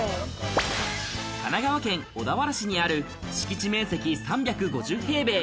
神奈川県小田原市にある敷地面積３５０平米。